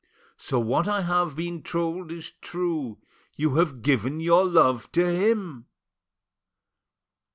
So what I have—been told is true: you have given your love to him."